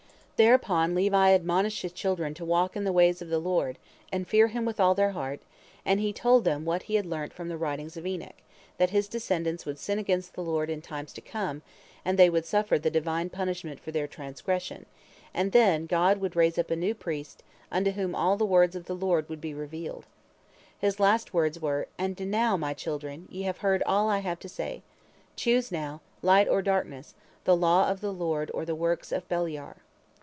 Thereupon Levi admonished his children to walk in the ways of the Lord, and fear Him with all their heart, and he told them what he had learnt from the writings of Enoch, that his descendants would sin against the Lord in times to come, and they would suffer the Divine punishment for their transgression, and then God would raise up a new priest, unto whom all the words of the Lord would be revealed. His last words were: "And now, my children, ye have heard all I have to say. Choose, now, light or darkness, the law of the Lord or the works of Beliar."